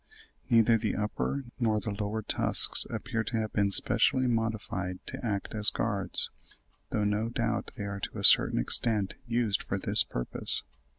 Neither the upper nor the lower tusks appear to have been specially modified to act as guards, though no doubt they are to a certain extent used for this purpose.